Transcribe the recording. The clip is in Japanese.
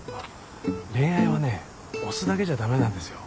恋愛はね押すだけじゃダメなんですよ。